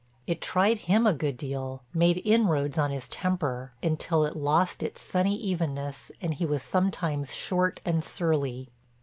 It tried him a good deal, made inroads on his temper, until it lost its sunny evenness and he was sometimes short and surly.